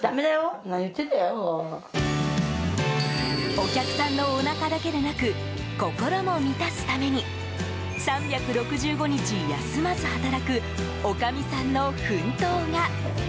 お客さんのおなかだけでなく心も満たすために３６５日休まず働くおかみさんの奮闘が。